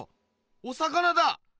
お魚だ！